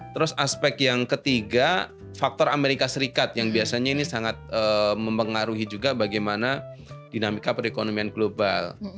terus aspek yang ketiga faktor amerika serikat yang biasanya ini sangat mempengaruhi juga bagaimana dinamika perekonomian global